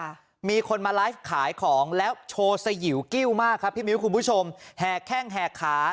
ค่ะมีคนมาไลฟ์ขายของแล้วโชว์สยิวกิ้วมากครับพี่มิ้วคุณผู้ชมแห่แข้งแห่ขา